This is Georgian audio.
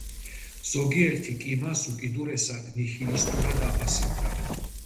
ზოგიერთი კი მას უკიდურესად ნიჰილისტურად აფასებდა.